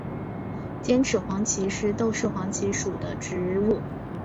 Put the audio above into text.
尖齿黄耆是豆科黄芪属的植物。